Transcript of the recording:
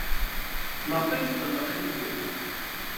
Maɣef ay yetqelleq Yidir?